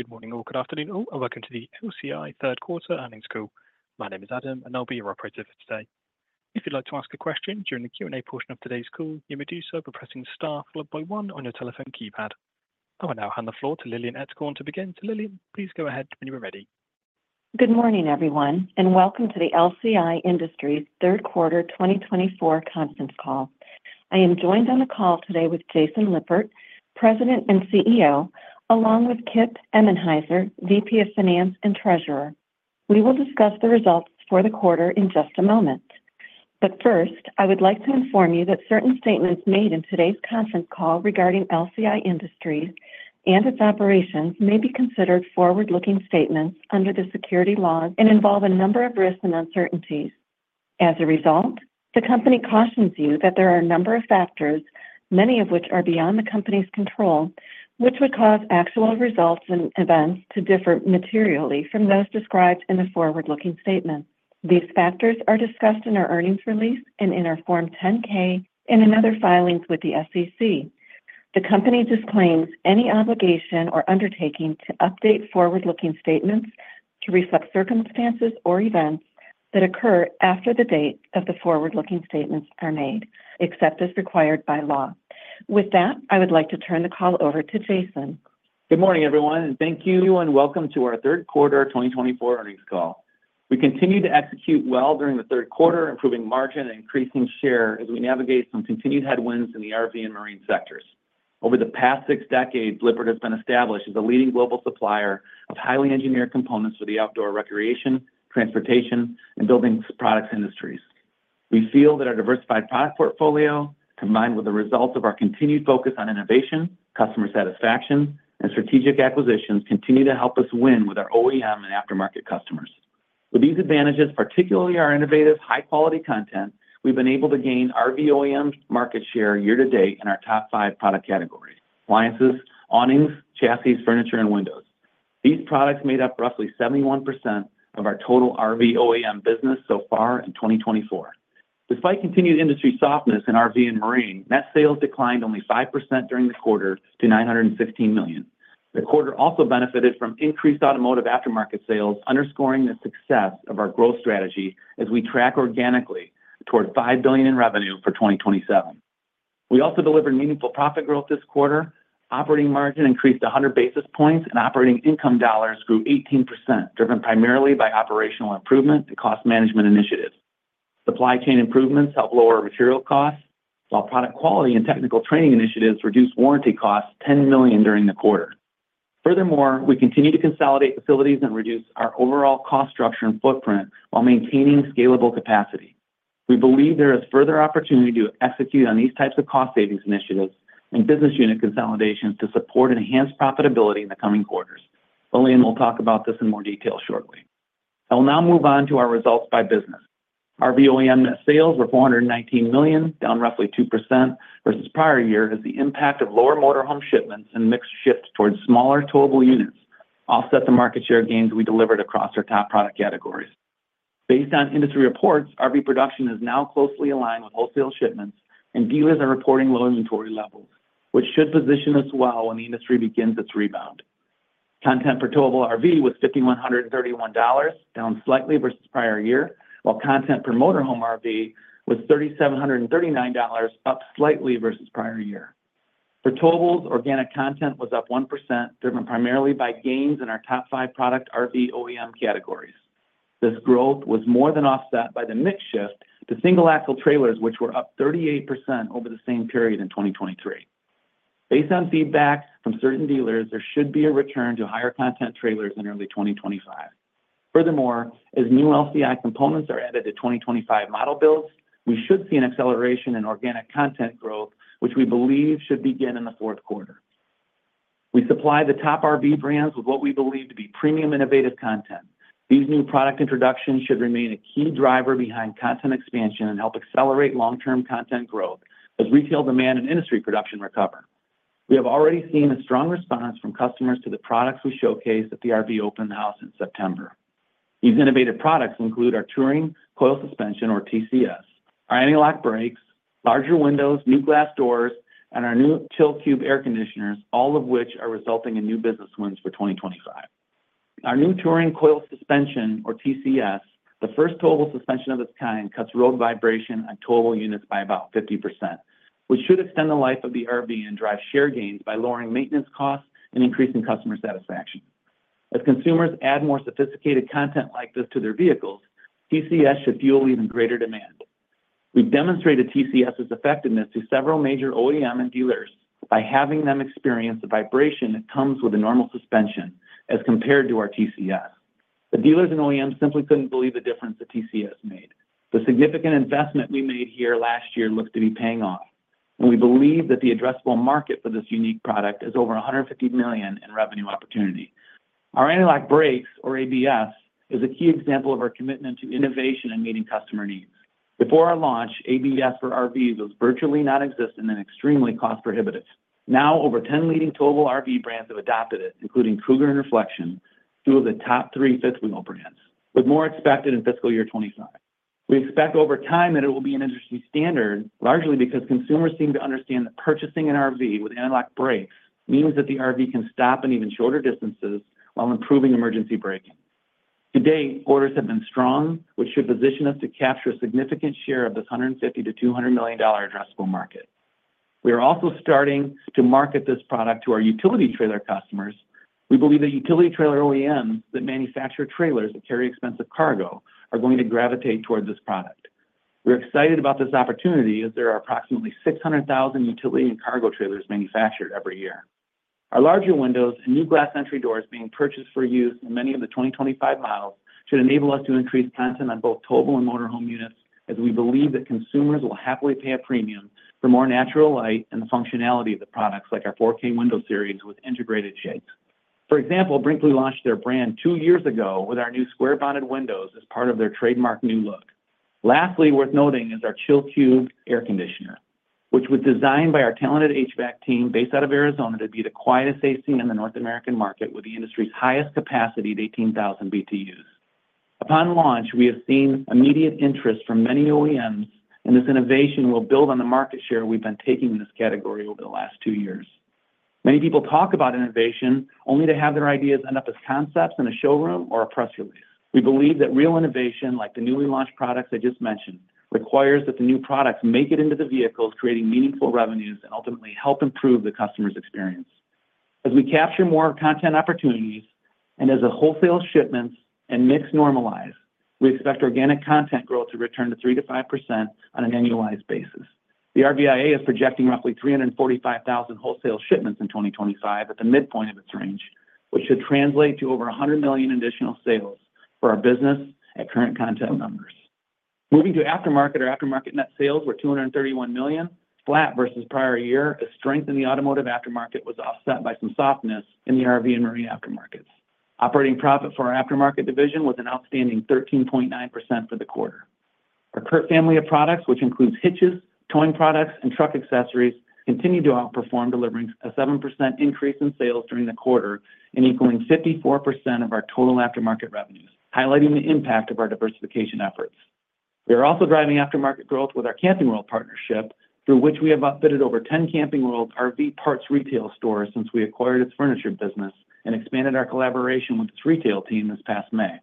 Good morning, or good afternoon, or welcome to the LCI third quarter earnings call. My name is Adam, and I'll be your operator for today. If you'd like to ask a question during the Q&A portion of today's call, you may do so by pressing star followed by one on your telephone keypad. I will now hand the floor to Lillian Etzkorn to begin. So, Lillian, please go ahead when you're ready. Good morning, everyone, and welcome to the LCI Industries third quarter 2024 conference call. I am joined on the call today with Jason Lippert, President and CEO, along with Kip Emenhiser, VP of Finance and Treasurer. We will discuss the results for the quarter in just a moment. But first, I would like to inform you that certain statements made in today's conference call regarding LCI Industries and its operations may be considered forward-looking statements under the securities laws and involve a number of risks and uncertainties. As a result, the company cautions you that there are a number of factors, many of which are beyond the company's control, which would cause actual results and events to differ materially from those described in the forward-looking statements. These factors are discussed in our earnings release and in our Form 10-K and in other filings with the SEC. The company disclaims any obligation or undertaking to update forward-looking statements to reflect circumstances or events that occur after the date of the forward-looking statements are made, except as required by law. With that, I would like to turn the call over to Jason. Good morning, everyone, and thank you, and welcome to our third quarter 2024 earnings call. We continue to execute well during the third quarter, improving margin and increasing share as we navigate some continued headwinds in the RV and marine sectors. Over the past six decades, Lippert has been established as a leading global supplier of highly engineered components for the outdoor recreation, transportation, and building products industries. We feel that our diversified product portfolio, combined with the results of our continued focus on innovation, customer satisfaction, and strategic acquisitions, continue to help us win with our OEM and aftermarket customers. With these advantages, particularly our innovative, high-quality content, we've been able to gain RV OEM market share year to date in our top five product categories: appliances, awnings, chassis, furniture, and windows. These products made up roughly 71% of our total RV OEM business so far in 2024. Despite continued industry softness in RV and marine, net sales declined only 5% during the quarter to $915 million. The quarter also benefited from increased automotive aftermarket sales, underscoring the success of our growth strategy as we track organically toward $5 billion in revenue for 2027. We also delivered meaningful profit growth this quarter. Operating margin increased 100 basis points, and operating income dollars grew 18%, driven primarily by operational improvement and cost management initiatives. Supply chain improvements helped lower material costs, while product quality and technical training initiatives reduced warranty costs $10 million during the quarter. Furthermore, we continue to consolidate facilities and reduce our overall cost structure and footprint while maintaining scalable capacity. We believe there is further opportunity to execute on these types of cost-savings initiatives and business unit consolidations to support enhanced profitability in the coming quarters. Lillian will talk about this in more detail shortly. I will now move on to our results by business. RV OEM net sales were $419 million, down roughly 2% versus prior year, as the impact of lower motorhome shipments and mix shift towards smaller towable units offset the market share gains we delivered across our top product categories. Based on industry reports, RV production is now closely aligned with wholesale shipments, and dealers are reporting low inventory levels, which should position us well when the industry begins its rebound. Content per towable RV was $5,131, down slightly versus prior year, while content per motorhome RV was $3,739, up slightly versus prior year. Per towable's organic content was up 1%, driven primarily by gains in our top five product RV OEM categories. This growth was more than offset by the mix shift to single-axle trailers, which were up 38% over the same period in 2023. Based on feedback from certain dealers, there should be a return to higher content trailers in early 2025. Furthermore, as new LCI components are added to 2025 model builds, we should see an acceleration in organic content growth, which we believe should begin in the fourth quarter. We supply the top RV brands with what we believe to be premium innovative content. These new product introductions should remain a key driver behind content expansion and help accelerate long-term content growth as retail demand and industry production recover. We have already seen a strong response from customers to the products we showcased at the RV Open House in September. These innovative products include our Touring Coil Suspension, or TCS, our anti-lock brakes, larger windows, new glass doors, and our new Chill Cube air conditioners, all of which are resulting in new business wins for 2025. Our new Touring Coil Suspension, or TCS, the first towable suspension of its kind, cuts road vibration on towable units by about 50%, which should extend the life of the RV and drive share gains by lowering maintenance costs and increasing customer satisfaction. As consumers add more sophisticated content like this to their vehicles, TCS should fuel even greater demand. We've demonstrated TCS's effectiveness to several major OEM and dealers by having them experience the vibration that comes with a normal suspension as compared to our TCS. The dealers and OEMs simply couldn't believe the difference the TCS made. The significant investment we made here last year looks to be paying off, and we believe that the addressable market for this unique product is over $150 million in revenue opportunity. Our anti-lock brakes, or ABS, is a key example of our commitment to innovation and meeting customer needs. Before our launch, ABS for RVs was virtually nonexistent and extremely cost-prohibitive. Now, over 10 leading towable RV brands have adopted it, including Cougar and Reflection, two of the top three fifth-wheel brands, with more expected in fiscal year 2025. We expect over time that it will be an industry standard, largely because consumers seem to understand that purchasing an RV with anti-lock brakes means that the RV can stop in even shorter distances while improving emergency braking. To date, orders have been strong, which should position us to capture a significant share of this $150 million-$200 million addressable market. We are also starting to market this product to our utility trailer customers. We believe that utility trailer OEMs that manufacture trailers that carry expensive cargo are going to gravitate toward this product. We're excited about this opportunity as there are approximately 600,000 utility and cargo trailers manufactured every year. Our larger windows and new glass entry doors being purchased for use in many of the 2025 models should enable us to increase content on both towable and motorhome units, as we believe that consumers will happily pay a premium for more natural light and the functionality of the products like our 4000 Window Series with integrated shades. For example, Brinkley launched their brand two years ago with our new square-bonded windows as part of their trademark new look. Lastly, worth noting is our Chill Cube air conditioner, which was designed by our talented HVAC team based out of Arizona to be the quietest AC in the North American market with the industry's highest capacity at 18,000 BTUs. Upon launch, we have seen immediate interest from many OEMs, and this innovation will build on the market share we've been taking in this category over the last two years. Many people talk about innovation only to have their ideas end up as concepts in a showroom or a press release. We believe that real innovation, like the newly launched products I just mentioned, requires that the new products make it into the vehicles, creating meaningful revenues and ultimately help improve the customer's experience. As we capture more content opportunities and as wholesale shipments and mix normalize, we expect organic content growth to return to 3%-5% on an annualized basis. The RVIA is projecting roughly 345,000 wholesale shipments in 2025 at the midpoint of its range, which should translate to over 100 million additional sales for our business at current content numbers. Moving to aftermarket, our aftermarket net sales were $231 million, flat versus prior year, as strength in the automotive aftermarket was offset by some softness in the RV and marine aftermarkets. Operating profit for our aftermarket division was an outstanding 13.9% for the quarter. Our current family of products, which includes hitches, towing products, and truck accessories, continue to outperform, delivering a 7% increase in sales during the quarter and equaling 54% of our total aftermarket revenues, highlighting the impact of our diversification efforts. We are also driving aftermarket growth with our Camping World partnership, through which we have outfitted over 10 Camping World RV parts retail stores since we acquired its furniture business and expanded our collaboration with its retail team this past May.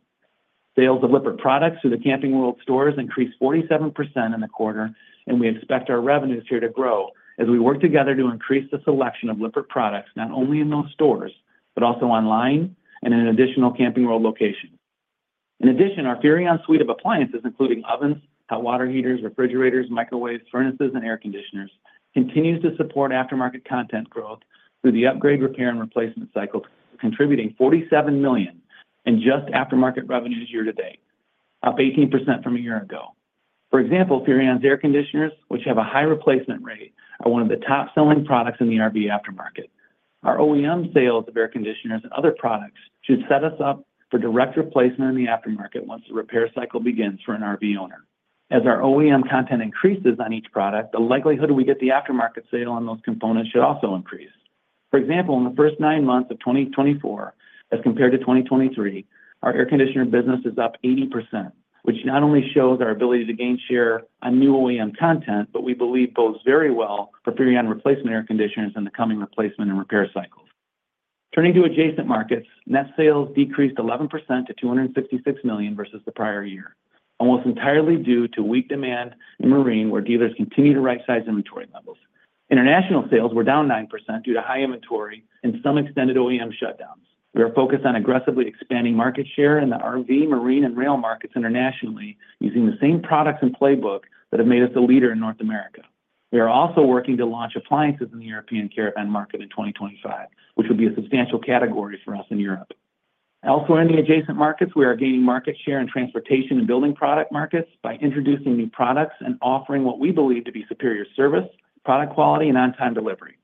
Sales of Lippert products through the Camping World stores increased 47% in the quarter, and we expect our revenues here to grow as we work together to increase the selection of Lippert products not only in those stores but also online and in additional Camping World locations. In addition, our Furrion suite of appliances, including ovens, hot water heaters, refrigerators, microwaves, furnaces, and air conditioners, continues to support aftermarket content growth through the upgrade, repair, and replacement cycle, contributing $47 million in just aftermarket revenues year to date, up 18% from a year ago. For example, Furrion's air conditioners, which have a high replacement rate, are one of the top-selling products in the RV aftermarket. Our OEM sales of air conditioners and other products should set us up for direct replacement in the aftermarket once the repair cycle begins for an RV owner. As our OEM content increases on each product, the likelihood we get the aftermarket sale on those components should also increase. For example, in the first nine months of 2024, as compared to 2023, our air conditioner business is up 80%, which not only shows our ability to gain share on new OEM content, but we believe bodes very well for Furrion replacement air conditioners in the coming replacement and repair cycles. Turning to adjacent markets, net sales decreased 11% to $266 million versus the prior year, almost entirely due to weak demand in marine, where dealers continue to right-size inventory levels. International sales were down 9% due to high inventory and some extended OEM shutdowns. We are focused on aggressively expanding market share in the RV, marine, and rail markets internationally using the same products and playbook that have made us a leader in North America. We are also working to launch appliances in the European caravan market in 2025, which would be a substantial category for us in Europe. Elsewhere in the adjacent markets, we are gaining market share in transportation and building product markets by introducing new products and offering what we believe to be superior service, product quality, and on-time delivery.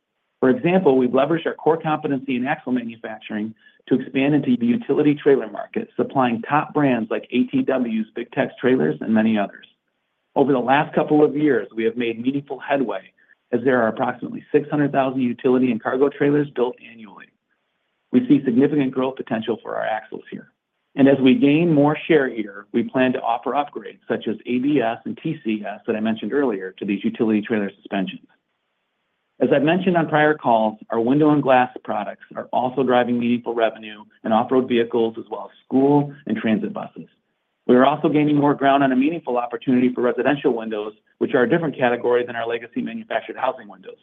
For example, we've leveraged our core competency in axle manufacturing to expand into the utility trailer market, supplying top brands like ATW's Big Tex trailers and many others. Over the last couple of years, we have made meaningful headway as there are approximately 600,000 utility and cargo trailers built annually. We see significant growth potential for our axles here, and as we gain more share here, we plan to offer upgrades such as ABS and TCS that I mentioned earlier to these utility trailer suspensions. As I've mentioned on prior calls, our window and glass products are also driving meaningful revenue in off-road vehicles as well as school and transit buses. We are also gaining more ground on a meaningful opportunity for residential windows, which are a different category than our legacy manufactured housing windows.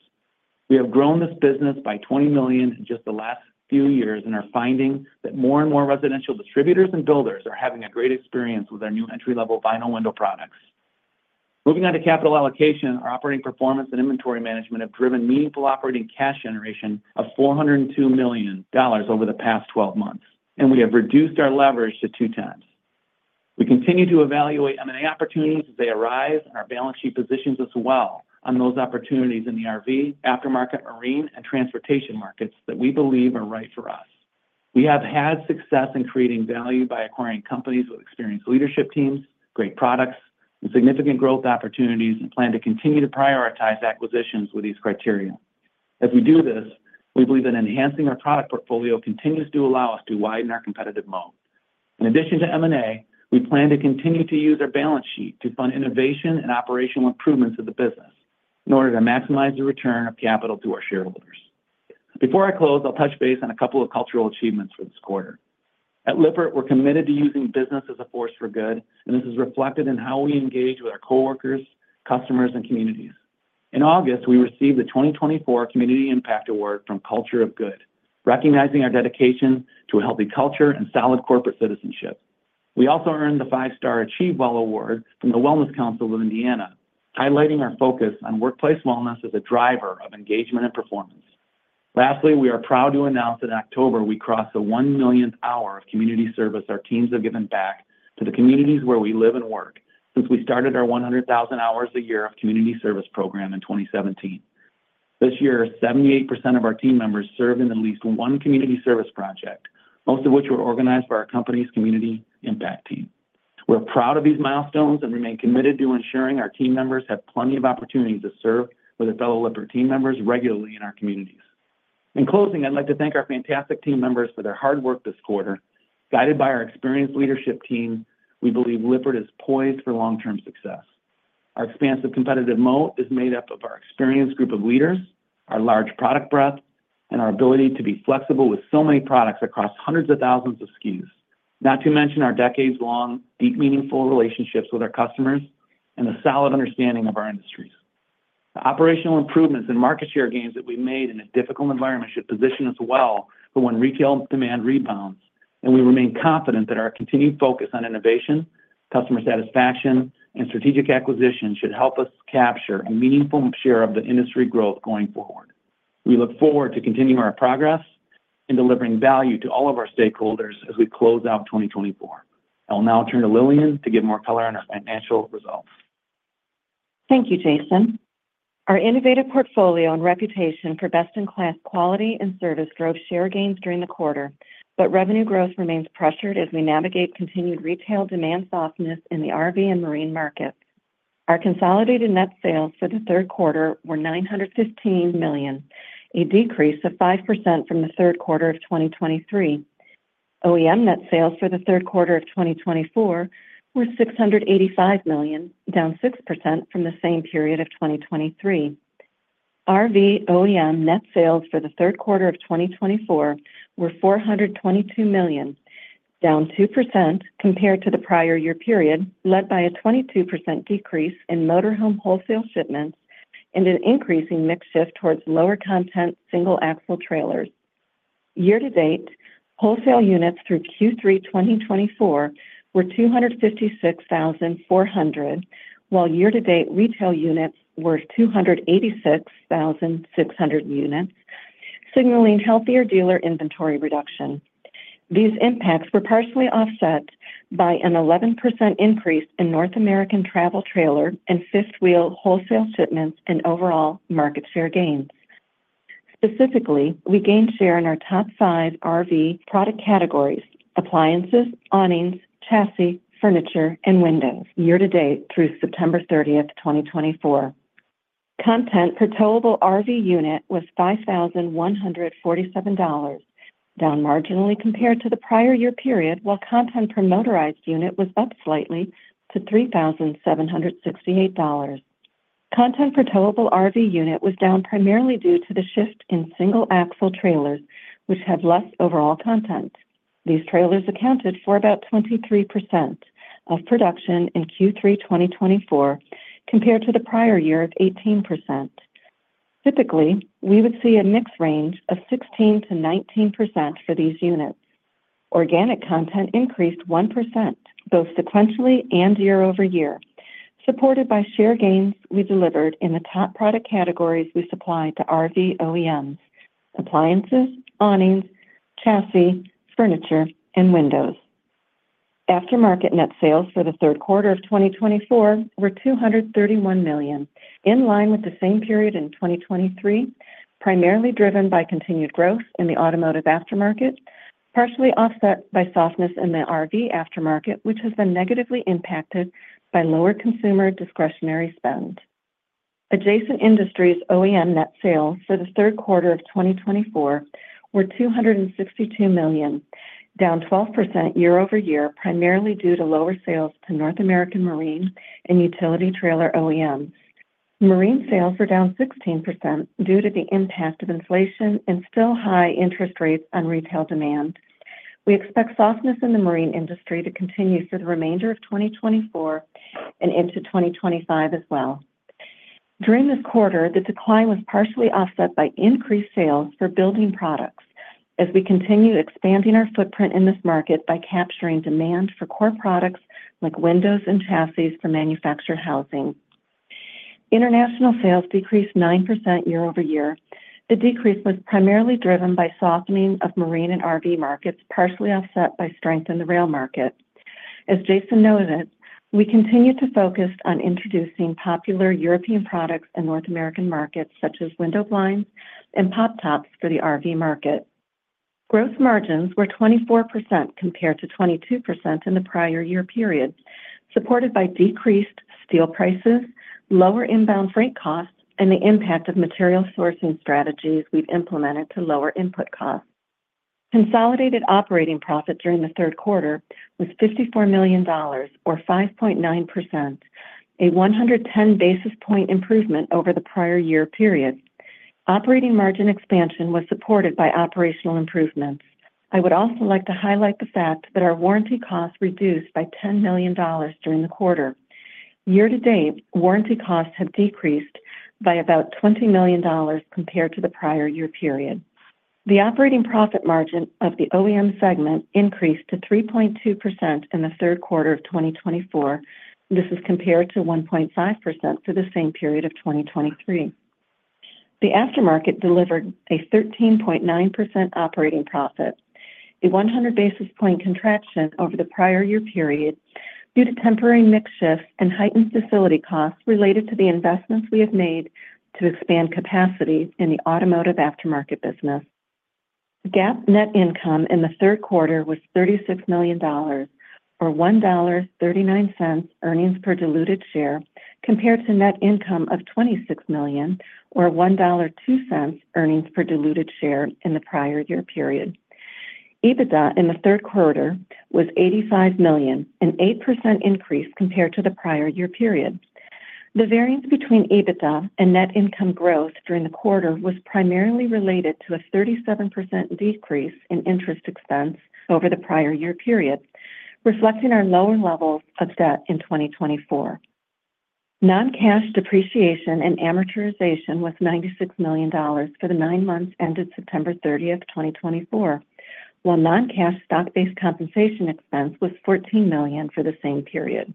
We have grown this business by $20 million in just the last few years and are finding that more and more residential distributors and builders are having a great experience with our new entry-level vinyl window products. Moving on to capital allocation, our operating performance and inventory management have driven meaningful operating cash generation of $402 million over the past 12 months, and we have reduced our leverage to 2x. We continue to evaluate M&A opportunities as they arise, and our balance sheet positions us well on those opportunities in the RV, aftermarket, marine, and transportation markets that we believe are right for us. We have had success in creating value by acquiring companies with experienced leadership teams, great products, and significant growth opportunities, and plan to continue to prioritize acquisitions with these criteria. As we do this, we believe that enhancing our product portfolio continues to allow us to widen our competitive moat. In addition to M&A, we plan to continue to use our balance sheet to fund innovation and operational improvements of the business in order to maximize the return of capital to our shareholders. Before I close, I'll touch base on a couple of cultural achievements for this quarter. At Lippert, we're committed to using business as a force for good, and this is reflected in how we engage with our coworkers, customers, and communities. In August, we received the 2024 Community Impact Award from Culture of Good, recognizing our dedication to a healthy culture and solid corporate citizenship. We also earned the Five Star AchieveWELL Award from the Wellness Council of Indiana, highlighting our focus on workplace wellness as a driver of engagement and performance. Lastly, we are proud to announce that in October, we crossed the one millionth hour of community service our teams have given back to the communities where we live and work since we started our 100,000 hours a year of community service program in 2017. This year, 78% of our team members served in at least one community service project, most of which were organized by our company's community impact team. We're proud of these milestones and remain committed to ensuring our team members have plenty of opportunities to serve with our fellow Lippert team members regularly in our communities. In closing, I'd like to thank our fantastic team members for their hard work this quarter. Guided by our experienced leadership team, we believe Lippert is poised for long-term success. Our expansive competitive moat is made up of our experienced group of leaders, our large product breadth, and our ability to be flexible with so many products across hundreds of thousands of SKUs, not to mention our decades-long, deep, meaningful relationships with our customers and the solid understanding of our industries. The operational improvements and market share gains that we've made in a difficult environment should position us well for when retail demand rebounds, and we remain confident that our continued focus on innovation, customer satisfaction, and strategic acquisition should help us capture a meaningful share of the industry growth going forward. We look forward to continuing our progress and delivering value to all of our stakeholders as we close out 2024.I'll now turn to Lillian to give more color on our financial results. Thank you, Jason. Our innovative portfolio and reputation for best-in-class quality and service drove share gains during the quarter, but revenue growth remains pressured as we navigate continued retail demand softness in the RV and marine markets. Our consolidated net sales for the third quarter were $915 million, a decrease of 5% from the third quarter of 2023. OEM net sales for the third quarter of 2024 were $685 million, down 6% from the same period of 2023. RV OEM net sales for the third quarter of 2024 were $422 million, down 2% compared to the prior year period, led by a 22% decrease in motorhome wholesale shipments and an increasing mix shift towards lower-content single-axle trailers. Year-to-date, wholesale units through Q3 2024 were 256,400, while year-to-date retail units were 286,600 units, signaling healthier dealer inventory reduction. These impacts were partially offset by an 11% increase in North American travel trailer and fifth-wheel wholesale shipments and overall market share gains. Specifically, we gained share in our top five RV product categories: appliances, awnings, chassis, furniture, and windows, year-to-date through September 30, 2024. Content per towable RV unit was $5,147, down marginally compared to the prior year period, while content per motorized unit was up slightly to $3,768. Content per towable RV unit was down primarily due to the shift in single-axle trailers, which have less overall content. These trailers accounted for about 23% of production in Q3 2024 compared to the prior year of 18%. Typically, we would see a mix range of 16%-19% for these units. Organic content increased 1% both sequentially and year-over-year, supported by share gains we delivered in the top product categories we supplied to RV OEMs: appliances, awnings, chassis, furniture, and windows. Aftermarket net sales for the third quarter of 2024 were $231 million, in line with the same period in 2023, primarily driven by continued growth in the automotive aftermarket, partially offset by softness in the RV aftermarket, which has been negatively impacted by lower consumer discretionary spend. Adjacent Industries OEM net sales for the third quarter of 2024 were $262 million, down 12% year-over-year, primarily due to lower sales to North American marine and utility trailer OEMs. Marine sales were down 16% due to the impact of inflation and still high interest rates on retail demand. We expect softness in the marine industry to continue for the remainder of 2024 and into 2025 as well. During this quarter, the decline was partially offset by increased sales for building products as we continue expanding our footprint in this market by capturing demand for core products like windows and chassis for manufactured housing. International sales decreased 9% year-over-year. The decrease was primarily driven by softening of marine and RV markets, partially offset by strength in the rail market. As Jason noted, we continued to focus on introducing popular European products in North American markets, such as window blinds and pop-tops for the RV market. Gross margins were 24% compared to 22% in the prior year period, supported by decreased steel prices, lower inbound freight costs, and the impact of material sourcing strategies we've implemented to lower input costs. Consolidated operating profit during the third quarter was $54 million, or 5.9%, a 110 basis points improvement over the prior year period. Operating margin expansion was supported by operational improvements. I would also like to highlight the fact that our warranty costs reduced by $10 million during the quarter. Year-to-date, warranty costs have decreased by about $20 million compared to the prior year period. The operating profit margin of the OEM segment increased to 3.2% in the third quarter of 2024. This is compared to 1.5% for the same period of 2023. The aftermarket delivered a 13.9% operating profit, a 100 basis point contraction over the prior year period due to temporary mix shifts and heightened facility costs related to the investments we have made to expand capacity in the automotive aftermarket business. GAAP net income in the third quarter was $36 million, or $1.39 earnings per diluted share, compared to net income of $26 million, or $1.02 earnings per diluted share in the prior year period. EBITDA in the third quarter was $85 million, an 8% increase compared to the prior year period. The variance between EBITDA and net income growth during the quarter was primarily related to a 37% decrease in interest expense over the prior year period, reflecting our lower levels of debt in 2024. Non-cash depreciation and amortization was $96 million for the nine months ended September 30th, 2024, while non-cash stock-based compensation expense was $14 million for the same period.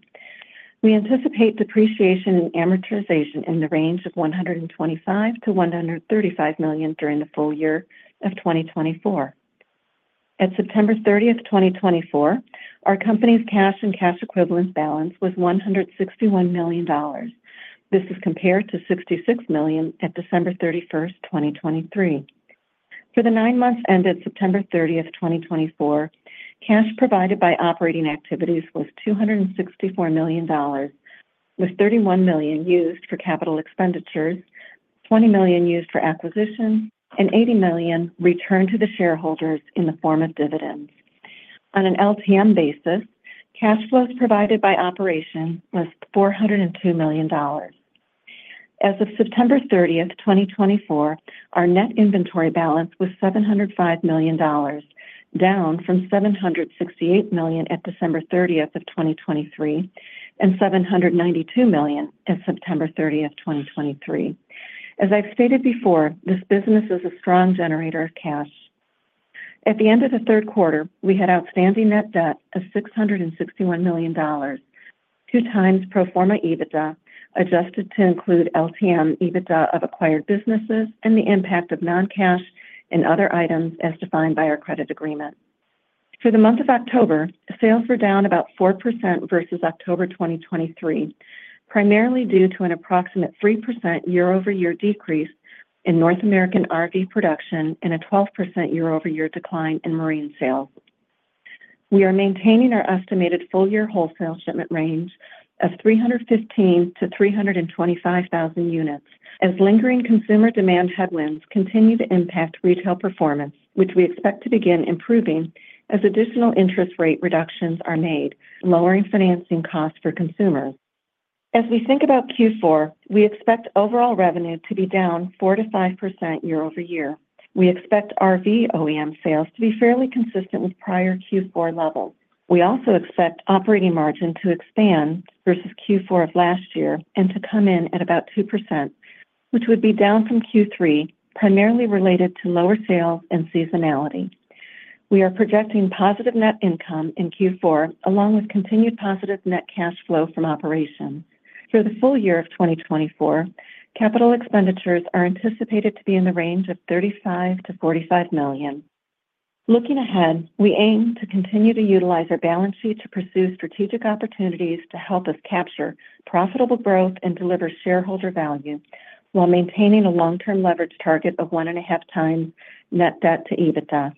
We anticipate depreciation and amortization in the range of $125 million-$135 million during the full year of 2024. At September 30th, 2024, our company's cash and cash equivalent balance was $161 million. This is compared to $66 million at December 31, 2023. For the nine months ended September 30th, 2024, cash provided by operating activities was $264 million, with $31 million used for capital expenditures, $20 million used for acquisitions, and $80 million returned to the shareholders in the form of dividends. On an LTM basis, cash flows provided by operations was $402 million. As of September 30th, 2024, our net inventory balance was $705 million, down from $768 million at December 30th, 2023, and $792 million at September 30th, 2023. As I've stated before, this business is a strong generator of cash. At the end of the third quarter, we had outstanding net debt of $661 million, 2x pro forma EBITDA adjusted to include LTM EBITDA of acquired businesses and the impact of non-cash and other items as defined by our credit agreement. For the month of October, sales were down about 4% versus October 2023, primarily due to an approximate 3% year-over-year decrease in North American RV production and a 12% year-over-year decline in marine sales. We are maintaining our estimated full-year wholesale shipment range of 315,000-325,000 units as lingering consumer demand headwinds continue to impact retail performance, which we expect to begin improving as additional interest rate reductions are made, lowering financing costs for consumers. As we think about Q4, we expect overall revenue to be down 4%-5% year-over-year. We expect RV OEM sales to be fairly consistent with prior Q4 levels. We also expect operating margin to expand versus Q4 of last year and to come in at about 2%, which would be down from Q3, primarily related to lower sales and seasonality. We are projecting positive net income in Q4, along with continued positive net cash flow from operations. For the full year of 2024, capital expenditures are anticipated to be in the range of $35 million-$45 million. Looking ahead, we aim to continue to utilize our balance sheet to pursue strategic opportunities to help us capture profitable growth and deliver shareholder value while maintaining a long-term leverage target of 1.5x net debt to EBITDA.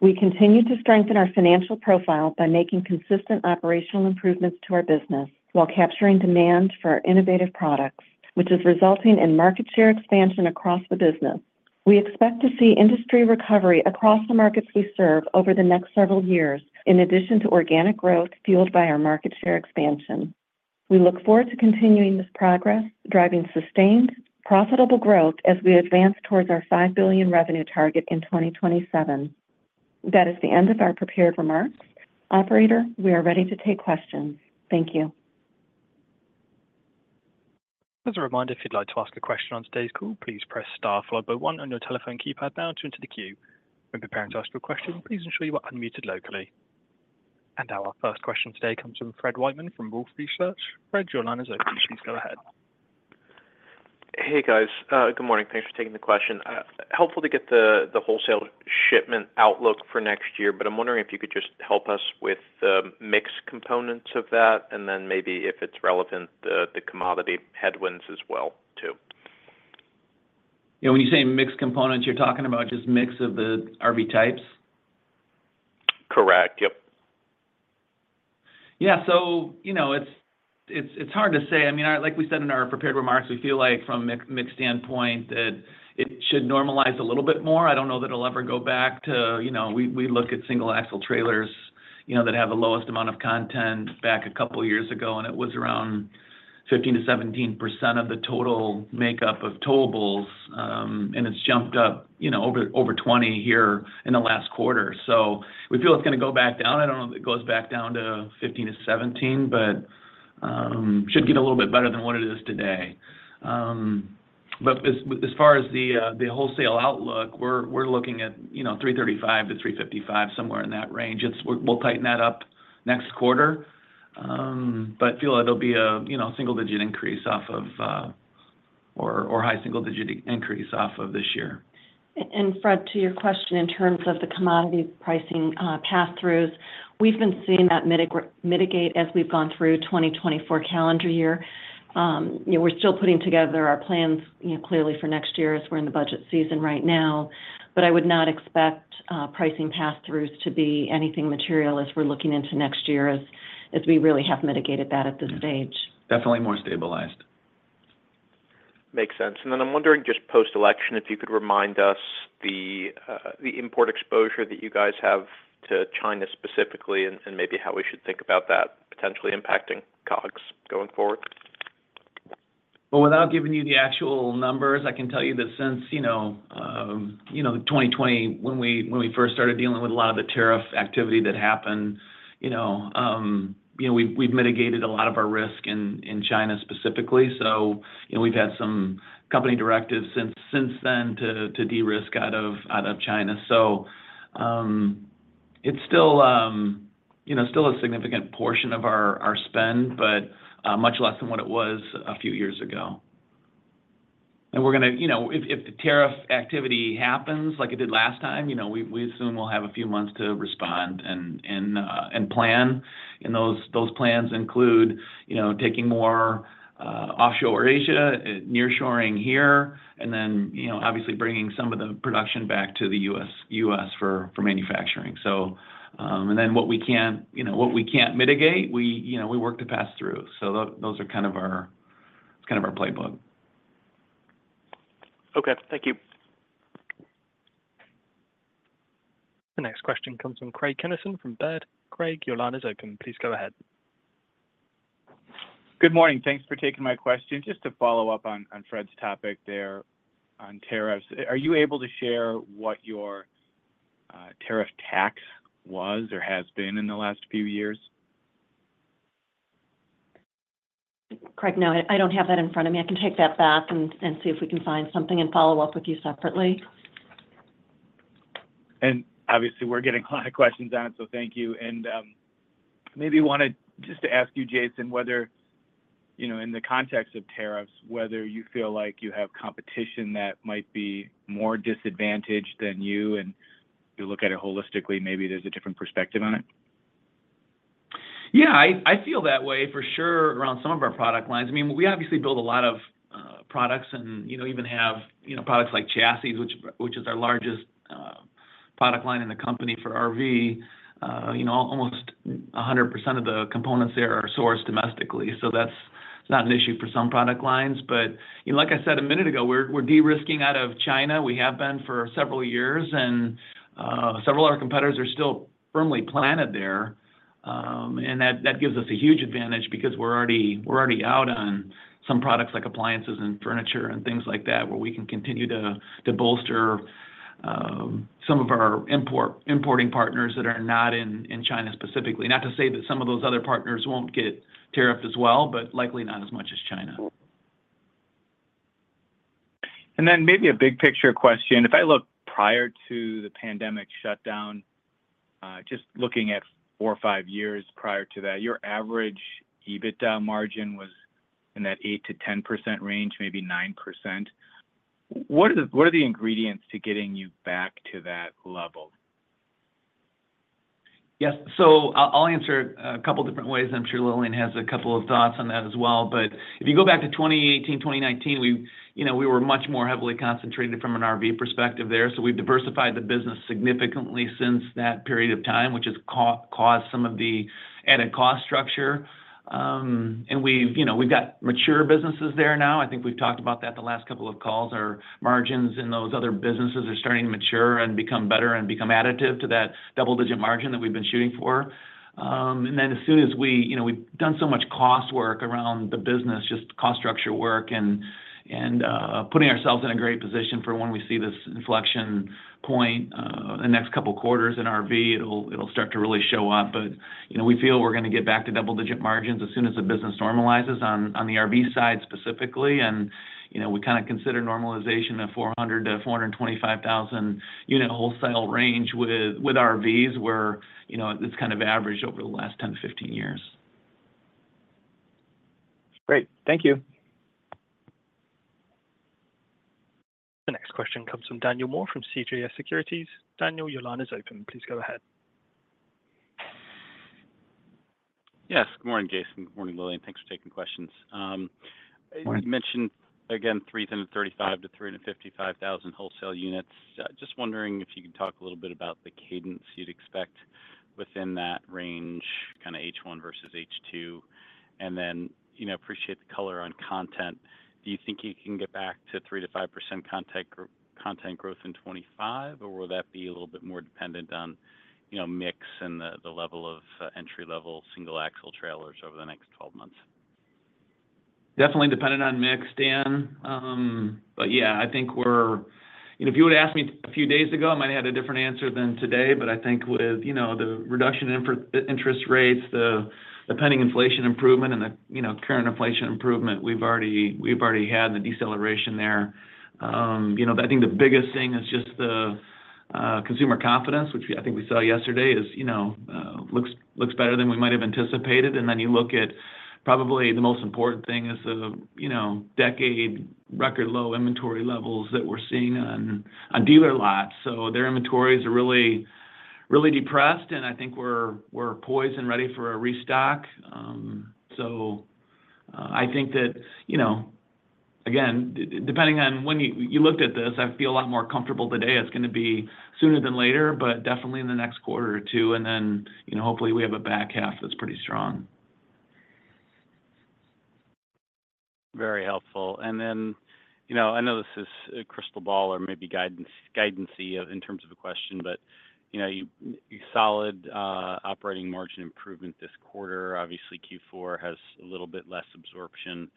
We continue to strengthen our financial profile by making consistent operational improvements to our business while capturing demand for our innovative products, which is resulting in market share expansion across the business. We expect to see industry recovery across the markets we serve over the next several years, in addition to organic growth fueled by our market share expansion. We look forward to continuing this progress, driving sustained profitable growth as we advance towards our $5 billion revenue target in 2027. That is the end of our prepared remarks. Operator, we are ready to take questions. Thank you. As a reminder, if you'd like to ask a question on today's call, please press star followed by one on your telephone keypad now to enter the queue. When preparing to ask your question, please ensure you are unmuted locally. And our first question today comes from Fred Wightman from Wolfe Research. Fred, your line is open. Please go ahead. Hey, guys. Good morning. Thanks for taking the question. Helpful to get the wholesale shipment outlook for next year, but I'm wondering if you could just help us with the mix components of that, and then maybe, if it's relevant, the commodity headwinds as well, too. When you say mix components, you're talking about just mix of the RV types? Correct. Yep. Yeah. So it's hard to say. I mean, like we said in our prepared remarks, we feel like from a mix standpoint that it should normalize a little bit more. I don't know that it'll ever go back to we look at single-axle trailers that have the lowest amount of content back a couple of years ago, and it was around 15%-17% of the total makeup of towables, and it's jumped up over 20% here in the last quarter. So we feel it's going to go back down. I don't know that it goes back down to 15%-17%, but it should get a little bit better than what it is today. But as far as the wholesale outlook, we're looking at $335 million-$355 million, somewhere in that range. We'll tighten that up next quarter, but feel it'll be a single-digit increase off of or high single-digit increase off of this year. Fred, to your question in terms of the commodity pricing pass-throughs, we've been seeing that mitigate as we've gone through the 2024 calendar year. We're still putting together our plans clearly for next year as we're in the budget season right now, but I would not expect pricing pass-throughs to be anything material as we're looking into next year as we really have mitigated that at this stage. Definitely more stabilized. Makes sense. I'm wondering, just post-election, if you could remind us the import exposure that you guys have to China specifically and maybe how we should think about that potentially impacting COGS going forward. Without giving you the actual numbers, I can tell you that since 2020, when we first started dealing with a lot of the tariff activity that happened, we've mitigated a lot of our risk in China specifically. So we've had some company directives since then to de-risk out of China. So it's still a significant portion of our spend, but much less than what it was a few years ago. And we're going to, if the tariff activity happens like it did last time, we assume we'll have a few months to respond and plan. And those plans include taking more offshoring to Asia, nearshoring here, and then obviously bringing some of the production back to the U.S. for manufacturing. And then what we can't mitigate, we work to pass through. So those are kind of our playbook. Okay. Thank you. The next question comes from Craig Kennison from Baird. Craig, your line is open. Please go ahead. Good morning. Thanks for taking my question. Just to follow up on Fred's topic there on tariffs, are you able to share what your tariff tax was or has been in the last few years? Craig, no, I don't have that in front of me. I can take that back and see if we can find something and follow up with you separately. And obviously, we're getting a lot of questions on it, so thank you. And maybe wanted just to ask you, Jason, whether in the context of tariffs, whether you feel like you have competition that might be more disadvantaged than you, and if you look at it holistically, maybe there's a different perspective on it. Yeah. I feel that way for sure around some of our product lines. I mean, we obviously build a lot of products and even have products like chassis, which is our largest product line in the company for RV. Almost 100% of the components there are sourced domestically, so that's not an issue for some product lines, but like I said a minute ago, we're de-risking out of China. We have been for several years, and several of our competitors are still firmly planted there, and that gives us a huge advantage because we're already out on some products like appliances and furniture and things like that, where we can continue to bolster some of our importing partners that are not in China specifically. Not to say that some of those other partners won't get tariffed as well, but likely not as much as China. And then maybe a big picture question. If I look prior to the pandemic shutdown, just looking at four or five years prior to that, your average EBITDA margin was in that 8%-10% range, maybe 9%. What are the ingredients to getting you back to that level? Yes, so I'll answer it a couple of different ways. I'm sure Lillian has a couple of thoughts on that as well, but if you go back to 2018, 2019, we were much more heavily concentrated from an RV perspective there. So we've diversified the business significantly since that period of time, which has caused some of the added cost structure, and we've got mature businesses there now. I think we've talked about that the last couple of calls. Our margins in those other businesses are starting to mature and become better and become additive to that double-digit margin that we've been shooting for. Then as soon as we've done so much cost work around the business, just cost structure work and putting ourselves in a great position for when we see this inflection point in the next couple of quarters in RV, it'll start to really show up. We feel we're going to get back to double-digit margins as soon as the business normalizes on the RV side specifically. We kind of consider normalization of 400,000-425,000-unit wholesale range with RVs where it's kind of averaged over the last 10-15 years. Great. Thank you. The next question comes from Daniel Moore from CJS Securities. Daniel, your line is open. Please go ahead. Yes. Good morning, Jason. Good morning, Lillian. Thanks for taking questions. You mentioned, again, 335,000-355,000 wholesale units. Just wondering if you could talk a little bit about the cadence you'd expect within that range, kind of H1 versus H2? And then appreciate the color on content. Do you think you can get back to 3%-5% content growth in 2025, or will that be a little bit more dependent on mix and the level of entry-level single-axle trailers over the next 12 months? Definitely dependent on mix, Dan. But yeah, I think we're if you would have asked me a few days ago, I might have had a different answer than today. But I think with the reduction in interest rates, the pending inflation improvement, and the current inflation improvement, we've already had the deceleration there. I think the biggest thing is just the consumer confidence, which I think we saw yesterday, looks better than we might have anticipated. And then you look at probably the most important thing is the decade record low inventory levels that we're seeing on dealer lots. So their inventories are really depressed, and I think we're poised and ready for a restock. So I think that, again, depending on when you looked at this, I feel a lot more comfortable today. It's going to be sooner than later, but definitely in the next quarter or two. And then hopefully we have a back half that's pretty strong. Very helpful. And then I know this is a crystal ball or maybe guidance in terms of a question, but you solid operating margin improvement this quarter. Obviously, Q4 has a little bit less absorption.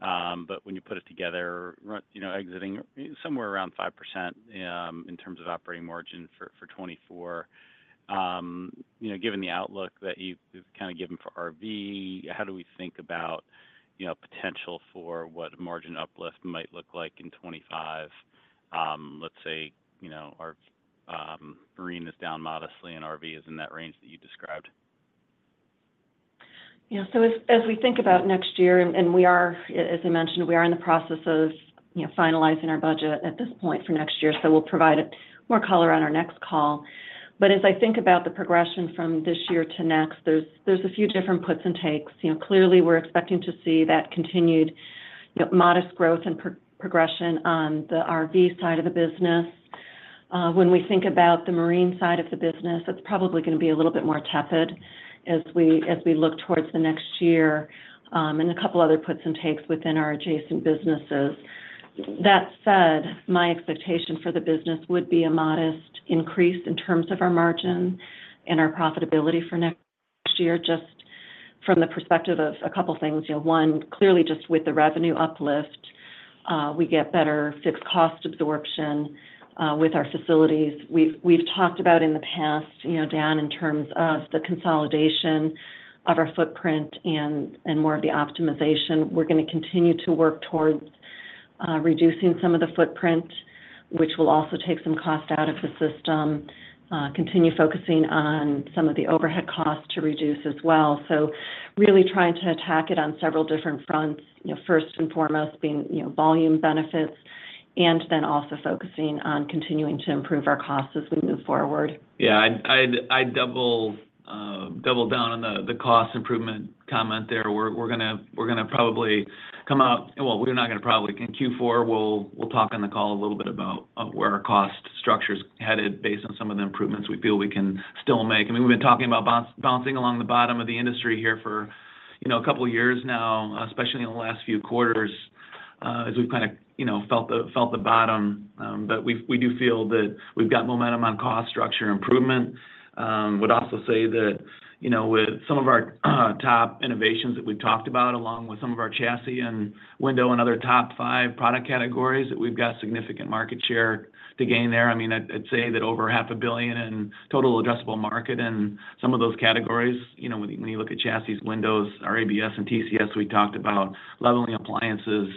But when you put it together, exiting somewhere around 5% in terms of operating margin for 2024, given the outlook that you've kind of given for RV, how do we think about potential for what a margin uplift might look like in 2025? Let's say our marine is down modestly and RV is in that range that you described. Yeah. So as we think about next year, and we are, as I mentioned, we are in the process of finalizing our budget at this point for next year. So we'll provide more color on our next call. But as I think about the progression from this year to next, there's a few different puts and takes. Clearly, we're expecting to see that continued modest growth and progression on the RV side of the business. When we think about the marine side of the business, it's probably going to be a little bit more tepid as we look towards the next year and a couple of other puts and takes within our adjacent businesses. That said, my expectation for the business would be a modest increase in terms of our margin and our profitability for next year just from the perspective of a couple of things. One, clearly just with the revenue uplift, we get better fixed cost absorption with our facilities. We've talked about in the past, Dan, in terms of the consolidation of our footprint and more of the optimization. We're going to continue to work towards reducing some of the footprint, which will also take some cost out of the system, continue focusing on some of the overhead costs to reduce as well. So really trying to attack it on several different fronts, first and foremost being volume benefits, and then also focusing on continuing to improve our costs as we move forward. Yeah. I'd double down on the cost improvement comment there. We're going to probably come out well, we're not going to probably in Q4, we'll talk on the call a little bit about where our cost structure is headed based on some of the improvements we feel we can still make. I mean, we've been talking about bouncing along the bottom of the industry here for a couple of years now, especially in the last few quarters as we've kind of felt the bottom. But we do feel that we've got momentum on cost structure improvement. Would also say that with some of our top innovations that we've talked about along with some of our chassis and window and other top five product categories that we've got significant market share to gain there. I mean, I'd say that over $500 million in total addressable market in some of those categories. When you look at chassis, windows, our ABS and TCS we talked about, leveling appliances,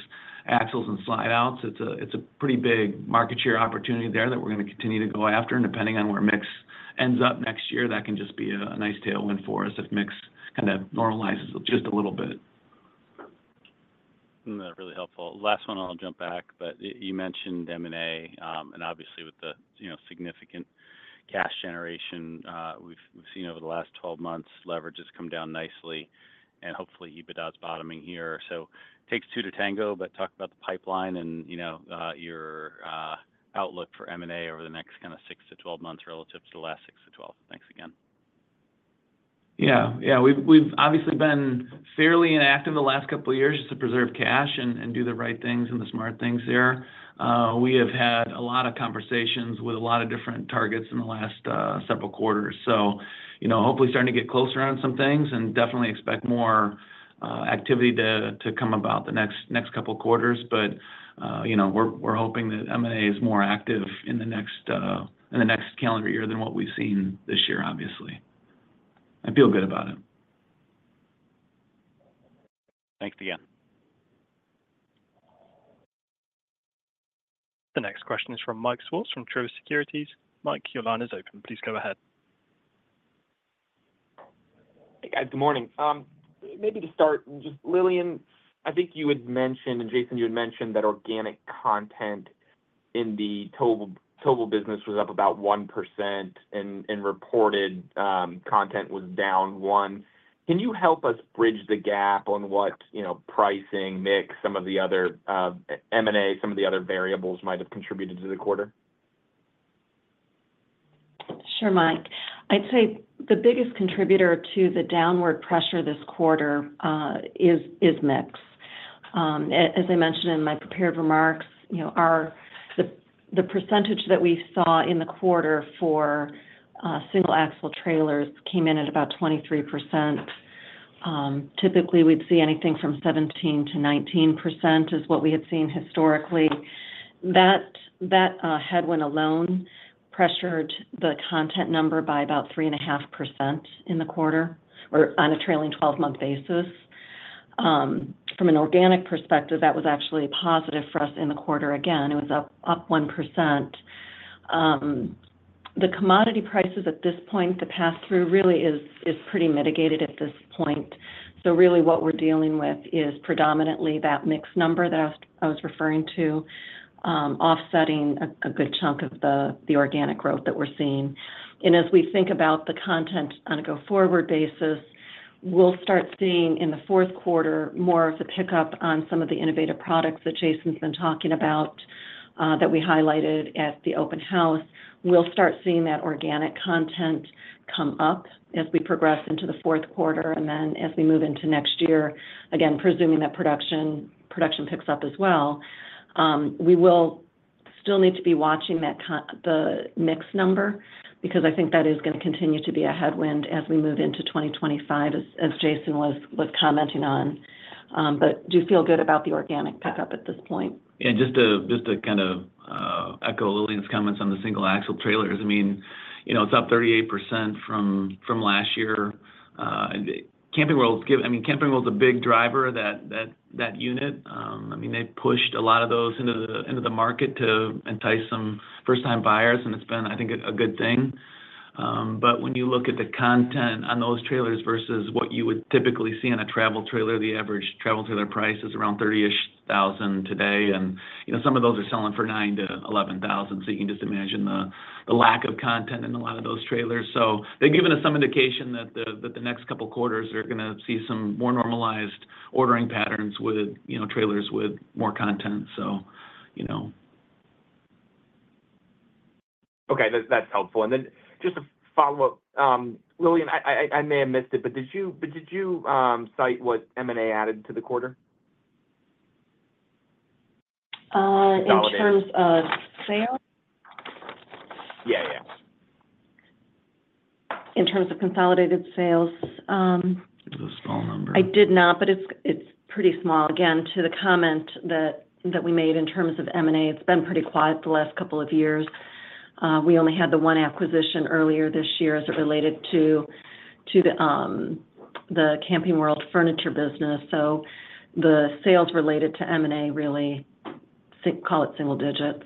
axles, and slide-outs, it's a pretty big market share opportunity there that we're going to continue to go after. And depending on where mix ends up next year, that can just be a nice tailwind for us if mix kind of normalizes just a little bit. Really helpful. Last one, I'll jump back. But you mentioned M&A, and obviously with the significant cash generation we've seen over the last 12 months, leverage has come down nicely, and hopefully EBITDA is bottoming here. So it takes two to tango, but talk about the pipeline and your outlook for M&A over the next kind of six to 12 months relative to the last six to 12. Thanks again. Yeah. Yeah. We've obviously been fairly inactive the last couple of years just to preserve cash and do the right things and the smart things there. We have had a lot of conversations with a lot of different targets in the last several quarters. So hopefully starting to get closer on some things and definitely expect more activity to come about the next couple of quarters. But we're hoping that M&A is more active in the next calendar year than what we've seen this year, obviously. I feel good about it. Thanks, Dan. The next question is from Mike Swartz from Truist Securities. Mike, your line is open. Please go ahead. Hey, guys. Good morning. Maybe to start, just Lillian, I think you had mentioned, and Jason, you had mentioned that organic content in the total business was up about 1%, and reported content was down 1%. Can you help us bridge the gap on what pricing, mix, some of the other M&A, some of the other variables might have contributed to the quarter? Sure, Mike. I'd say the biggest contributor to the downward pressure this quarter is mix. As I mentioned in my prepared remarks, the percentage that we saw in the quarter for single-axle trailers came in at about 23%. Typically, we'd see anything from 17% to 19% is what we had seen historically. That headwind alone pressured the content number by about 3.5% in the quarter or on a trailing 12-month basis. From an organic perspective, that was actually positive for us in the quarter. Again, it was up 1%. The commodity prices at this point, the pass-through really is pretty mitigated at this point. So really what we're dealing with is predominantly that mix number that I was referring to, offsetting a good chunk of the organic growth that we're seeing. And as we think about the content on a go-forward basis, we'll start seeing in the fourth quarter more of the pickup on some of the innovative products that Jason's been talking about that we highlighted at the open house. We'll start seeing that organic content come up as we progress into the fourth quarter. And then as we move into next year, again, presuming that production picks up as well, we will still need to be watching the mix number because I think that is going to continue to be a headwind as we move into 2025, as Jason was commenting on. But do feel good about the organic pickup at this point. Yeah. Just to kind of echo Lillian's comments on the single-axle trailers, I mean, it's up 38% from last year. Camping World's given I mean, Camping World's a big driver of that unit. I mean, they pushed a lot of those into the market to entice some first-time buyers, and it's been, I think, a good thing. But when you look at the content on those trailers versus what you would typically see on a travel trailer, the average travel trailer price is around 30-ish thousand today. Some of those are selling for $9,000-$11,000. You can just imagine the lack of content in a lot of those trailers. They've given us some indication that the next couple of quarters are going to see some more normalized ordering patterns with trailers with more content. Okay. That's helpful. Just a follow-up. Lillian, I may have missed it, but did you cite what M&A added to the quarter? In terms of sales? Yeah, yeah. In terms of consolidated sales? What's the small number? I did not, but it's pretty small. Again, to the comment that we made in terms of M&A, it's been pretty quiet the last couple of years. We only had the one acquisition earlier this year as it related to the Camping World furniture business. The sales related to M&A really call it single digits.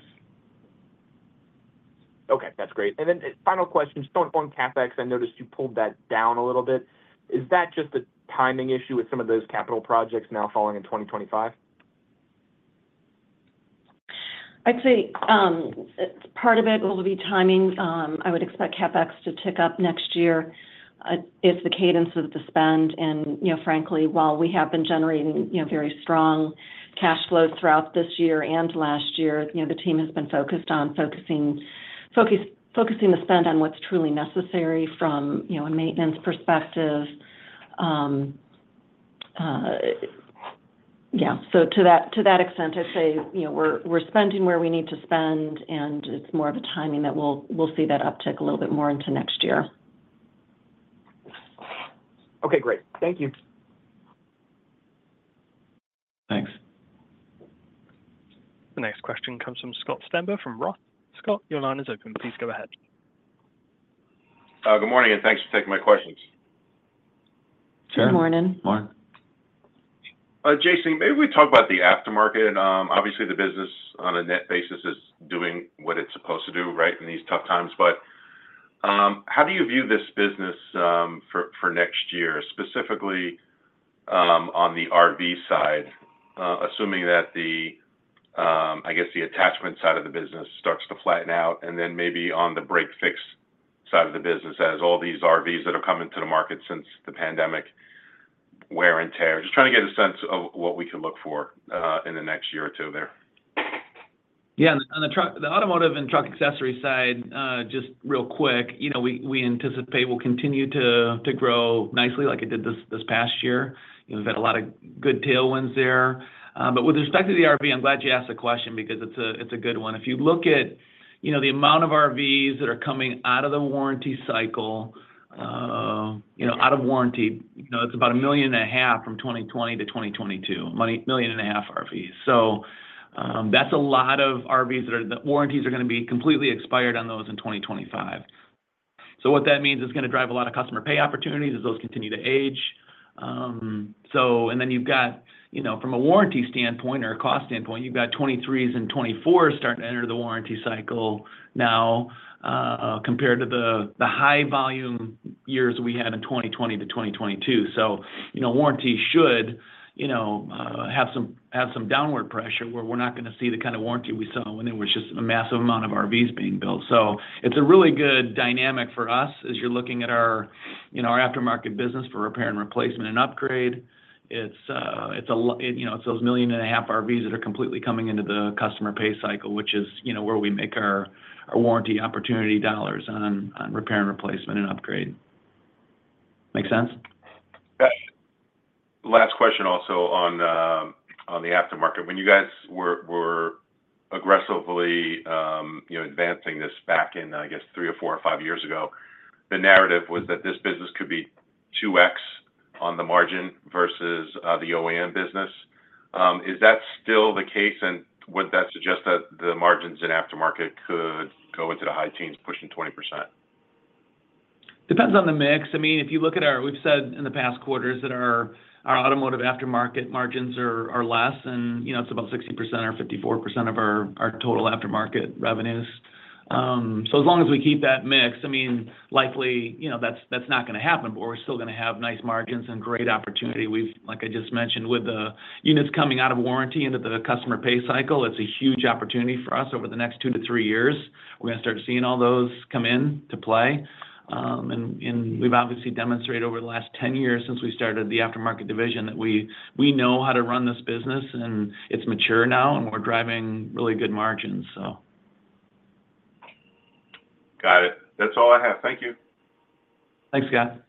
Okay. That's great. And then, final question. Just on CapEx, I noticed you pulled that down a little bit. Is that just a timing issue with some of those capital projects now falling in 2025? I'd say part of it will be timing. I would expect CapEx to tick up next year if the cadence of the spend and frankly, while we have been generating very strong cash flows throughout this year and last year, the team has been focused on focusing the spend on what's truly necessary from a maintenance perspective. Yeah. So to that extent, I'd say we're spending where we need to spend, and it's more of a timing that we'll see that uptick a little bit more into next year. Okay. Great. Thank you. Thanks. The next question comes from Scott Stember from Roth MKM. Scott, your line is open. Please go ahead. Good morning, and thanks for taking my questions. Good morning. Morning. Jason, maybe we talk about the aftermarket. Obviously, the business on a net basis is doing what it's supposed to do, right, in these tough times. But how do you view this business for next year, specifically on the RV side, assuming that, I guess, the attachment side of the business starts to flatten out? And then maybe on the break-fix side of the business, as all these RVs that have come into the market since the pandemic, wear and tear? Just trying to get a sense of what we can look for in the next year or two there. Yeah. On the automotive and truck accessories side, just real quick, we anticipate we'll continue to grow nicely like it did this past year. We've had a lot of good tailwinds there. But with respect to the RV, I'm glad you asked the question because it's a good one. If you look at the amount of RVs that are coming out of the warranty cycle, out of warranty, it's about 1.5 million from 2020-2022, 1.5 million RVs. So that's a lot of RVs that are the warranties are going to be completely expired on those in 2025. So what that means is going to drive a lot of customer pay opportunities as those continue to age. And then you've got from a warranty standpoint or a cost standpoint, you've got 2023s and 2024s starting to enter the warranty cycle now compared to the high-volume years we had in 2020-2022. So warranties should have some downward pressure where we're not going to see the kind of warranty we saw when there was just a massive amount of RVs being built. So it's a really good dynamic for us as you're looking at our aftermarket business for repair and replacement and upgrade. It's those 1.5 million RVs that are completely coming into the customer pay cycle, which is where we make our warranty opportunity dollars on repair and replacement and upgrade. Makes sense? Last question also on the aftermarket. When you guys were aggressively advancing this back in, I guess, three or four or five years ago, the narrative was that this business could be 2x on the margin versus the OEM business. Is that still the case? And would that suggest that the margins in aftermarket could go into the high teens pushing 20%? Depends on the mix. I mean, if you look at, as we've said in the past quarters that our automotive aftermarket margins are less, and it's about 60% or 54% of our total aftermarket revenues. So as long as we keep that mix, I mean, likely that's not going to happen, but we're still going to have nice margins and great opportunity. Like I just mentioned, with the units coming out of warranty into the customer pay cycle, it's a huge opportunity for us over the next two to three years. We're going to start seeing all those come into play, and we've obviously demonstrated over the last 10 years since we started the aftermarket division that we know how to run this business, and it's mature now, and we're driving really good margins, so. Got it. That's all I have. Thank you. Thanks, Scott.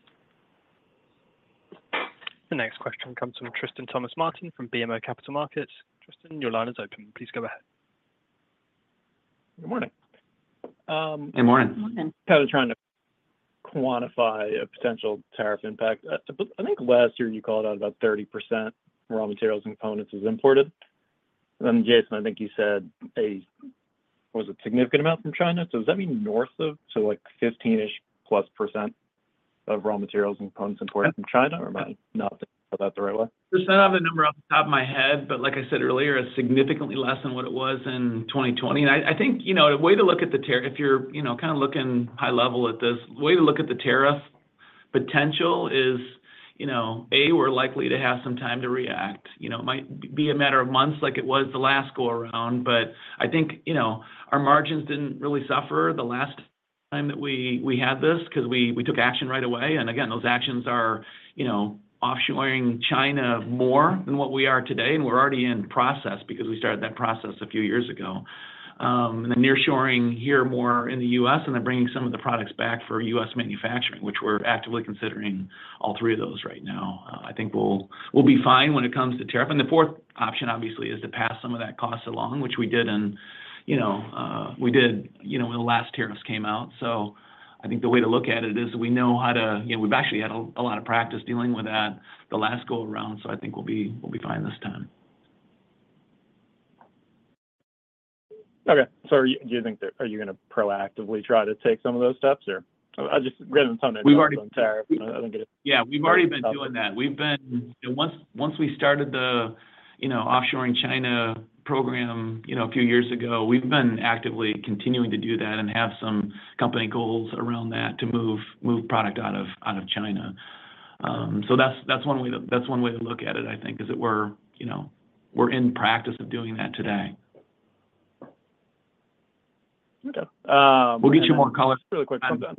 The next question comes from Tristan Thomas-Martin from BMO Capital Markets. Tristan, your line is open. Please go ahead. Good morning. Good morning. Good morning. Kind of trying to quantify a potential tariff impact. I think last year you called out about 30% raw materials and components as imported. And then, Jason, I think you said or was it a significant amount from China? So does that mean north of so like 15-ish%+ of raw materials and components imported from China or not? Not that I know that the right way. There's not a number off the top of my head, but like I said earlier, it's significantly less than what it was in 2020. And I think the way to look at it if you're kind of looking high level at this, the way to look at the tariff potential is A, we're likely to have some time to react. It might be a matter of months like it was the last go-around. But I think our margins didn't really suffer the last time that we had this because we took action right away. And again, those actions are offshoring China more than what we are today. And we're already in process because we started that process a few years ago. And then nearshoring here more in the U.S., and then bringing some of the products back for U.S. manufacturing, which we're actively considering all three of those right now. I think we'll be fine when it comes to tariff. The fourth option, obviously, is to pass some of that cost along, which we did, and we did when the last tariffs came out. I think the way to look at it is we know how to. We've actually had a lot of practice dealing with that the last go-around, so I think we'll be fine this time. Okay. Do you think that? Are you going to proactively try to take some of those steps, or just rather than some of the tariff? I think it is. Yeah. We've already been doing that. We've been. Once we started the offshoring China program a few years ago, we've been actively continuing to do that and have some company goals around that to move product out of China. So that's one way to look at it, I think, is that we're in practice of doing that today. Okay. We'll get you more color on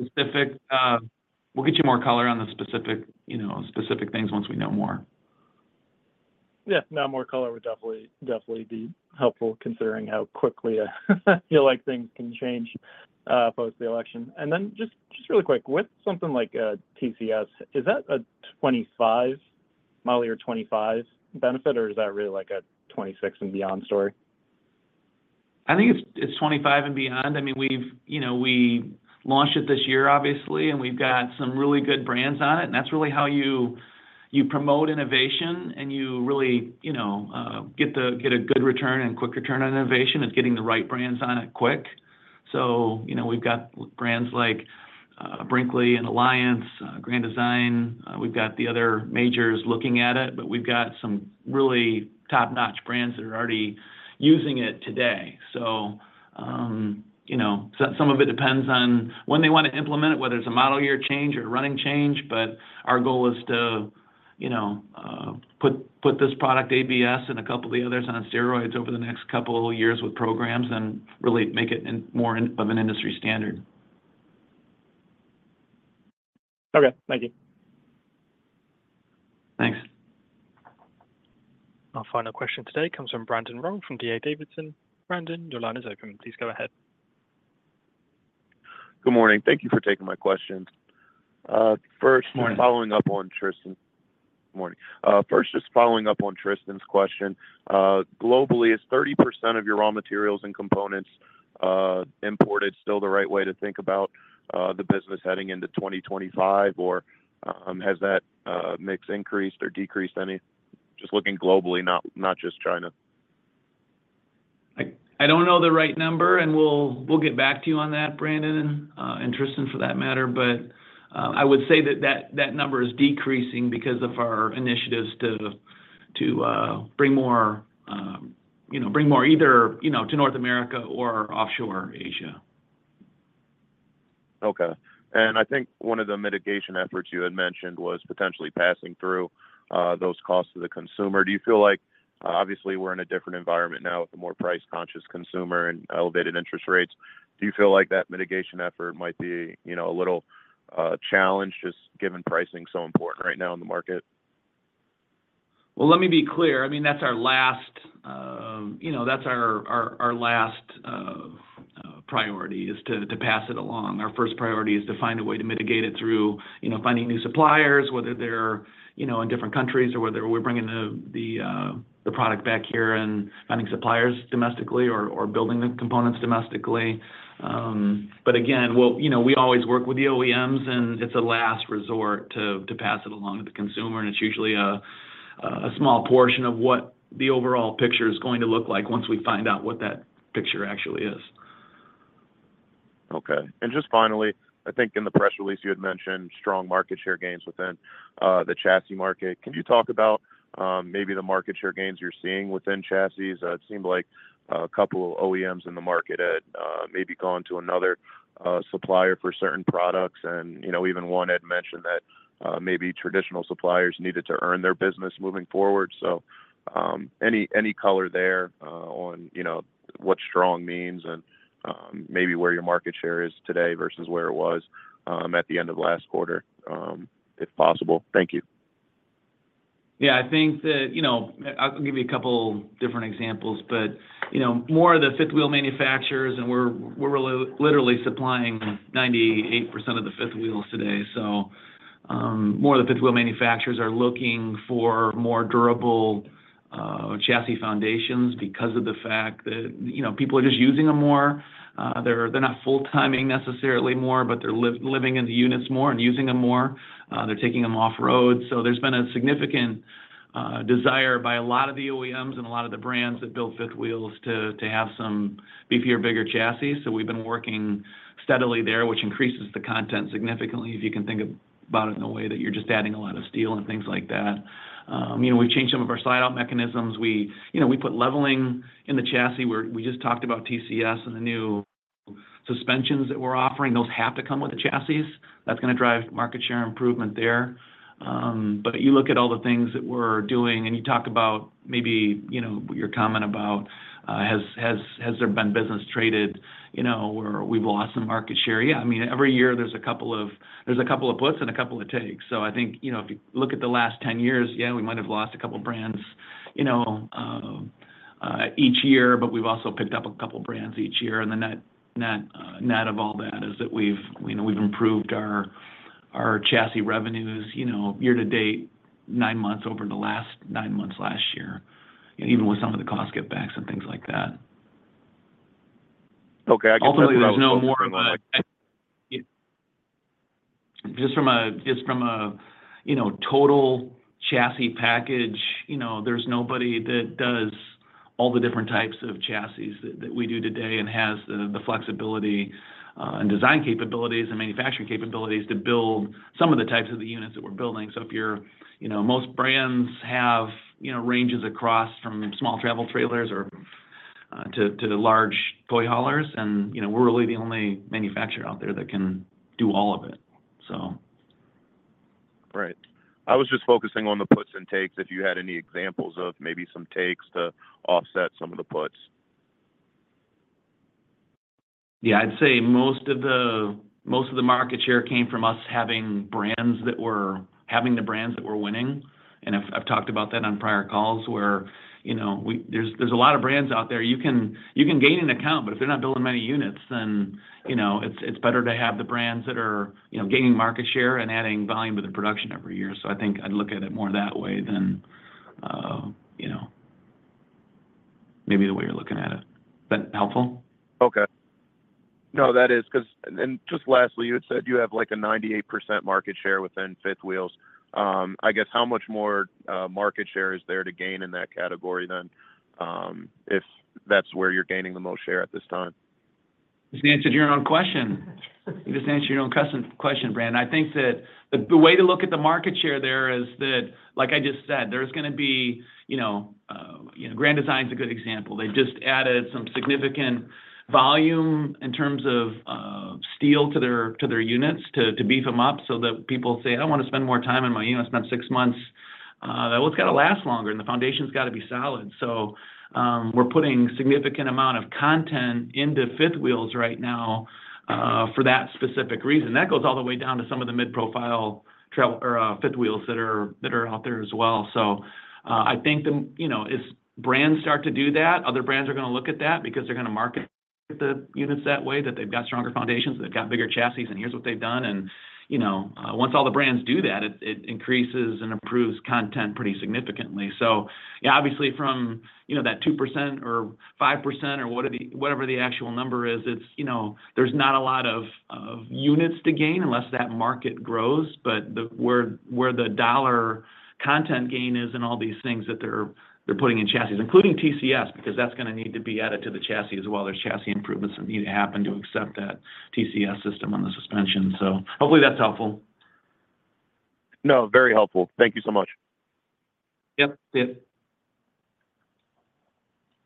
the specific things once we know more. Yeah. Now, more color would definitely be helpful considering how quickly I feel like things can change post-election. And then just really quick, with something like TCS, is that a 2025 model year 25 benefit, or is that really like a 26 and beyond story? I think it's 25 and beyond. I mean, we launched it this year, obviously, and we've got some really good brands on it. And that's really how you promote innovation, and you really get a good return and quick return on innovation is getting the right brands on it quick. So we've got brands like Brinkley and Alliance, Grand Design. We've got the other majors looking at it, but we've got some really top-notch brands that are already using it today. Some of it depends on when they want to implement it, whether it's a model year change or a running change. But our goal is to put this product, ABS, and a couple of the others on steroids over the next couple of years with programs and really make it more of an industry standard. Okay. Thank you. Thanks. Our final question today comes from Brandon Rolle from DA Davidson. Brandon, your line is open. Please go ahead. Good morning. Thank you for taking my question. First, following up on Tristan. Good morning. First, just following up on Tristan's question. Globally, is 30% of your raw materials and components imported still the right way to think about the business heading into 2025, or has that mix increased or decreased? Just looking globally, not just China. I don't know the right number, and we'll get back to you on that, Brandon and Tristan for that matter. But I would say that that number is decreasing because of our initiatives to bring more either to North America or offshore Asia. Okay. And I think one of the mitigation efforts you had mentioned was potentially passing through those costs to the consumer. Do you feel like obviously, we're in a different environment now with a more price-conscious consumer and elevated interest rates? Do you feel like that mitigation effort might be a little challenge just given pricing so important right now in the market? Well, let me be clear. I mean, that's our last priority is to pass it along. Our first priority is to find a way to mitigate it through finding new suppliers, whether they're in different countries or whether we're bringing the product back here and finding suppliers domestically or building the components domestically. But again, we always work with the OEMs, and it's a last resort to pass it along to the consumer. And it's usually a small portion of what the overall picture is going to look like once we find out what that picture actually is. Okay. And just finally, I think in the press release, you had mentioned strong market share gains within the chassis market. Can you talk about maybe the market share gains you're seeing within chassis? It seemed like a couple of OEMs in the market had maybe gone to another supplier for certain products. And even one had mentioned that maybe traditional suppliers needed to earn their business moving forward. So any color there on what strong means and maybe where your market share is today versus where it was at the end of last quarter, if possible? Thank you. Yeah. I think that I'll give you a couple different examples, but more of the fifth-wheel manufacturers, and we're literally supplying 98% of the fifth wheels today. So more of the fifth-wheel manufacturers are looking for more durable chassis foundations because of the fact that people are just using them more. They're not full-timing necessarily more, but they're living in the units more and using them more. They're taking them off-road. So there's been a significant desire by a lot of the OEMs and a lot of the brands that build fifth wheels to have some beefier, bigger chassis. So we've been working steadily there, which increases the content significantly if you can think about it in a way that you're just adding a lot of steel and things like that. We've changed some of our slide-out mechanisms. We put leveling in the chassis. We just talked about TCS and the new suspensions that we're offering. Those have to come with the chassis. That's going to drive market share improvement there. But you look at all the things that we're doing, and you talk about maybe your comment about, "Has there been business traded where we've lost some market share?" Yeah. I mean, every year, there's a couple of puts and a couple of takes. So I think if you look at the last 10 years, yeah, we might have lost a couple of brands each year, but we've also picked up a couple of brands each year. And the net of all that is that we've improved our chassis revenues year to date, nine months over the last nine months last year, even with some of the cost givebacks and things like that. Okay. I guess there's no more of a just from a total chassis package, there's nobody that does all the different types of chassis that we do today and has the flexibility and design capabilities and manufacturing capabilities to build some of the types of the units that we're building. So if you're most brands have ranges across from small travel trailers to large toy haulers, and we're really the only manufacturer out there that can do all of it, so. Right. I was just focusing on the puts and takes if you had any examples of maybe some takes to offset some of the puts. Yeah. I'd say most of the market share came from us having brands that were having the brands that were winning, and I've talked about that on prior calls where there's a lot of brands out there. You can gain an account, but if they're not building many units, then it's better to have the brands that are gaining market share and adding volume to the production every year, so I think I'd look at it more that way than maybe the way you're looking at it. Is that helpful? Okay. No, that is because and just lastly, you had said you have like a 98% market share within fifth wheels. I guess how much more market share is there to gain in that category than if that's where you're gaining the most share at this time? Just answered your own question. You just answered your own question, Brandon. I think that the way to look at the market share there is that, like I just said, there's going to be Grand Design is a good example. They just added some significant volume in terms of steel to their units to beef them up so that people say, "I don't want to spend more time in my unit. I spent six months." Well, it's got to last longer, and the foundation's got to be solid. So we're putting a significant amount of content into fifth wheels right now for that specific reason. That goes all the way down to some of the mid-profile fifth wheels that are out there as well. So I think as brands start to do that, other brands are going to look at that because they're going to market the units that way, that they've got stronger foundations, they've got bigger chassis, and here's what they've done. And once all the brands do that, it increases and improves content pretty significantly. So yeah, obviously, from that 2% or 5% or whatever the actual number is, there's not a lot of units to gain unless that market grows, but where the dollar content gain is in all these things that they're putting in chassis, including TCS, because that's going to need to be added to the chassis as well. There's chassis improvements that need to happen to accept that TCS system on the suspension. So hopefully, that's helpful. No, very helpful. Thank you so much. Yep. We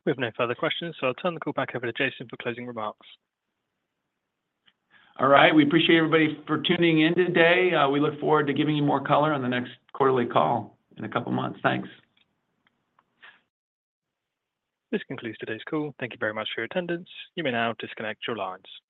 have no further questions, so I'll turn the call back over to Jason for closing remarks. All right. We appreciate everybody for tuning in today. We look forward to giving you more color on the next quarterly call in a couple of months. Thanks. This concludes today's call. Thank you very much for your attendance. You may now disconnect your lines.